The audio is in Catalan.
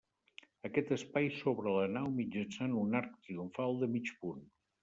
Aquest espai s'obre a la nau mitjançant un arc triomfal de mig punt.